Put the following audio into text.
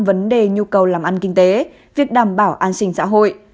vấn đề nhu cầu làm ăn kinh tế việc đảm bảo an sinh xã hội